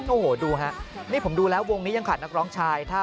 โอ้โหดูฮะนี่ผมดูแล้ววงนี้ยังขาดนักร้องชาย